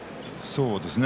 そうですね。